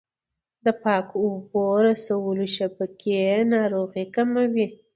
د پاکو اوبو رسولو شبکې ناروغۍ کموي.